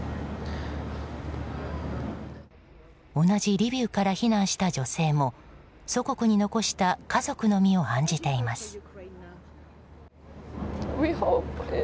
同じリビウから避難した女性も祖国に残した家族の身を案じています。